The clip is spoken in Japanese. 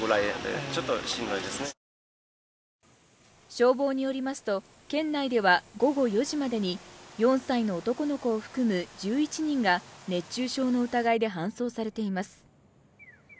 消防によりますと県内では午後４時までに４歳の男の子を含む１１人が熱中症の疑いで搬送されています。